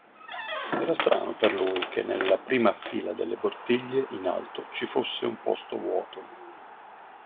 Era strano per lui che nella prima fila delle bottiglie, in alto, ci fosse un posto vuoto.